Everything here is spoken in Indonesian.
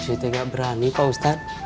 ucuy tidak berani pak ustadz